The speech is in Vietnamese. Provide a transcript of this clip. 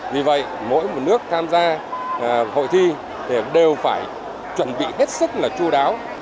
vì vậy mỗi một nước tham gia hội thi thì đều phải chuẩn bị hết sức là chú đáo